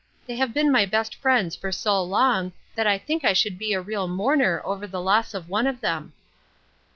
They have been my best friends for so long that I think I should be a real mourner over the loss of one of them."